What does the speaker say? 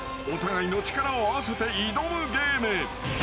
［お互いの力を合わせて挑むゲーム］